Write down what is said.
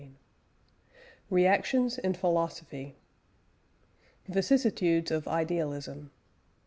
CHAPTER X REACTIONS IN PHILOSOPHY VICISSITUDES OF IDEALISM.